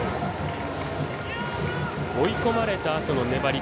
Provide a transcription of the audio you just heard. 追い込まれたあとの粘り。